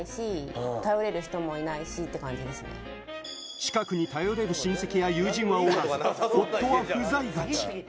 近くに頼れる親戚や友人はおらず、夫は不在がち。